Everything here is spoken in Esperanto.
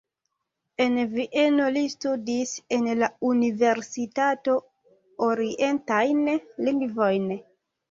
En Vieno li studis en la universitato orientajn lingvojn.